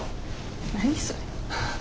何それ。